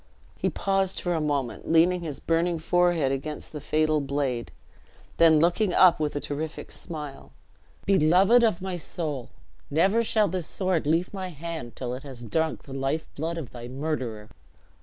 He paused for a moment, leaning his burning forehead against the fatal blade; then looking up with a terrific smile. "Beloved of my soul! never shall this sword leave my hand till it has drunk the life blood of thy murderer."